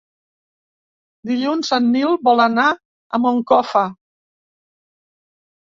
Dilluns en Nil vol anar a Moncofa.